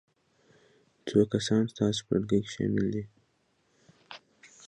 څو کسان ستاسو په ډلګي کې شامل دي؟